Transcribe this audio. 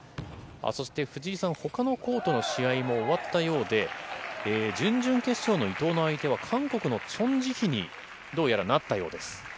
そして藤井さん、ほかのコートの試合も終わったようで、準々決勝の伊藤の相手は、韓国のチョン・ジヒにどうやらなったようです。